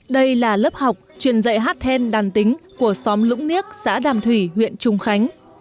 đây là lớp học truyền dạy hát then đàn tính của xóm lũng niếc xã đàm thủy huyện trung khánh